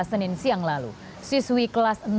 senin siang lalu siswi kelas enam